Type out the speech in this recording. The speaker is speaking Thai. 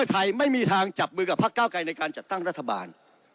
ไทยไม่มีทางจับมือกับพักเก้าไกรในการจัดตั้งรัฐบาล